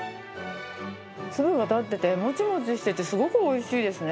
粒が立っていて、もちもちしてて、すごくおいしいですね。